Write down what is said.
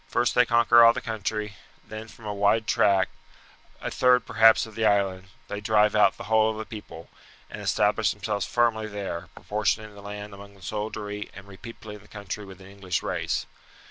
First they conquer all the country; then from a wide tract, a third perhaps of the island, they drive out the whole of the people, and establish themselves firmly there, portioning the land among the soldiery and repeopling the country with an English race.